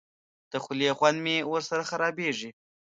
د خولې خوند مې ورسره خرابېږي.